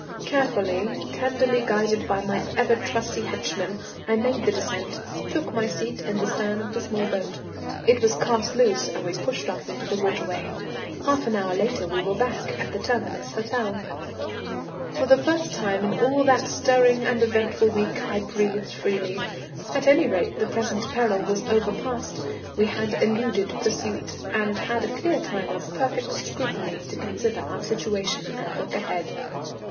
Carefully, tenderly guided by my ever trusty henchman I made the descent, took my seat in the stern of the small boat, it was cast loose, and we pushed off into the waterway. Half an hour later we were back at the Terminus Hotel. For the first time in all that stirring and eventful week I breathed freely. At any rate the present peril was overpast, we had eluded pursuit, and had a clear time of perfect security to consider our situation and look ahead.